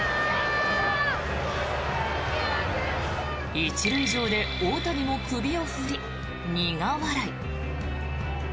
１塁上で大谷も首を振り苦笑い。